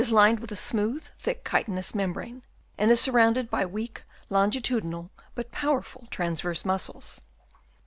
lined with a smooth thick chitinous membrane, and is surrounded by weak longitudinal, but power ful transverse muscles.